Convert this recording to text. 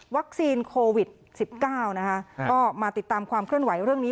โควิด๑๙นะคะก็มาติดตามความเคลื่อนไหวเรื่องนี้